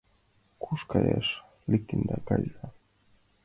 Куш каяш лектында — кайза.